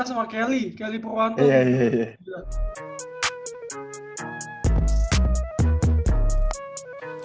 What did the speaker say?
gue jagain wenas aja